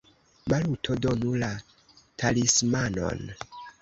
Maluto, donu la talismanon!